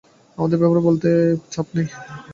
আমাদের ব্যাপারে বলতে পারি, আর চাপ নেই।